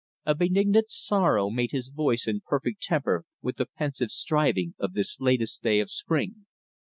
A benignant sorrow made his voice in perfect temper with the pensive striving of this latest day of spring.